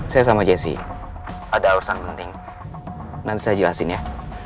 saya sama jessi ada alasan penting nanti saya jelasin ya